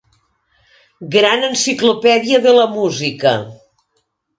Gran Enciclopèdia de la Música.